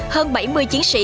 hơn bảy mươi chiến sĩ